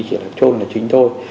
chỉ là trôn là chính thôi